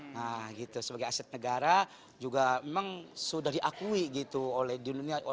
nah gitu sebagai aset negara juga memang sudah diakui gitu oleh di dunia